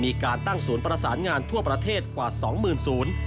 มีการตั้งศูนย์ประสานงานทั่วประเทศกว่า๒๐๐๐ศูนย์